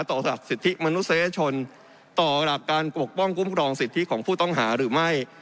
ต่อหลักสิทธิมนุษยชนต่อหลักการปกป้องคุ้มครองสิทธิของผู้ต้องหาหรือไม่